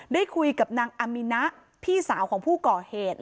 ได้คุยกับนางอามินะพี่สาวของผู้ก่อเหตุ